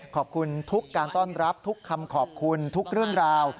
ขอบคุณทุกการต้อนรับทุกคำขอบคุณทุกเรื่องราว